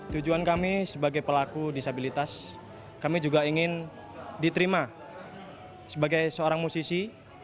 tujuan kami sebagai pelaku disabilitas kami juga ingin diterima sebagai seorang musisi